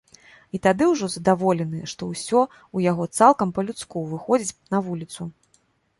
І тады ўжо здаволены, што ўсё ў яго цалкам па-людску, выходзіць на вуліцу.